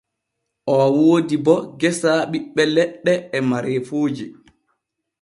O woodi bo geesa ɓiɓɓe leɗɗe e mareefuuji.